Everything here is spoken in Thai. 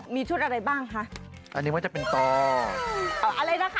มีชุดอะไรบ้างคะอันนี้ว่าจะเป็นต่ออะไรนะคะ